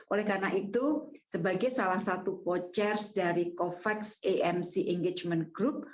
oleh karena itu sebagai salah satu vouchers dari covax amc engagement group